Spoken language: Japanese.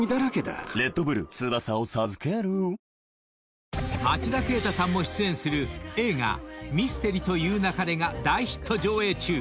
わかるぞ［町田啓太さんも出演する映画『ミステリと言う勿れ』が大ヒット上映中。